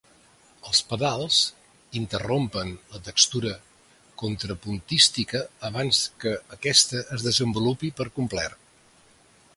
Els pedals interrompen la textura contrapuntística abans que aquesta es desenvolupi per complet.